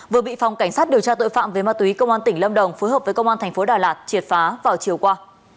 vừa bị phòng cảnh sát điều tra tội phạm về ma túy công an tỉnh lâm đồng phối hợp với công an thành phố đà lạt triệt phá vào chiều qua